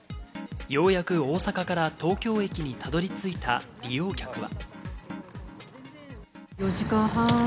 ようやく大阪から東京駅にたどり着いた利用客は。